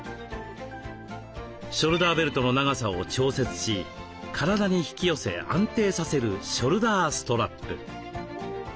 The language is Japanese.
ショルダーベルトの長さを調節し体に引き寄せ安定させるショルダーストラップ。